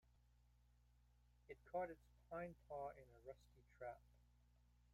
It caught its hind paw in a rusty trap.